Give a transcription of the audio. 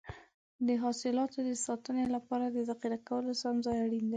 د حاصلاتو د ساتنې لپاره د ذخیره کولو سم ځای اړین دی.